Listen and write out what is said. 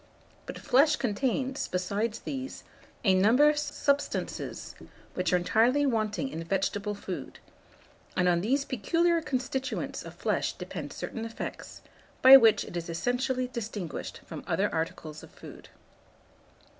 But flesh contains, besides these, a number of substances which are entirely wanting in vegetable food; and on these peculiar constituents of flesh depend certain effects, by which it is essentially distinguished from other articles of food.